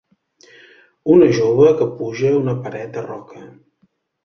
Una jove que puja una paret de roca.